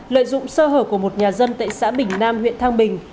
lợi dụng sơ hở của một nhà dân tại xã bình nam huyện thang bình